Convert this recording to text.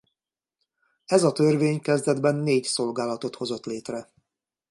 Ez a törvény kezdetben négy szolgálatot hozott létre.